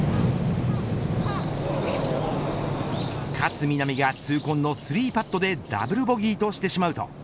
勝みなみが痛恨の３パットでダブルボギーとしてしまうと。